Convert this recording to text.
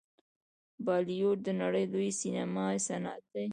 بالیووډ د نړۍ لوی سینما صنعت دی.